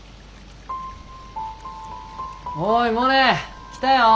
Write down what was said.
おいモネ！来たよ！